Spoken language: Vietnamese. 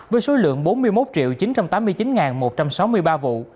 với số lượng bốn mươi một chín trăm tám mươi chín một trăm sáu mươi ba vụ